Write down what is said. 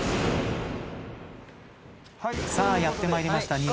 さあやってまいりました。